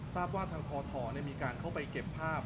ทางพธมีการเข้าไปเก็บภาพ